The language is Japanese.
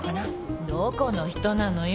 どこの人なのよ？